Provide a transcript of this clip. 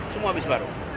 semua bis baru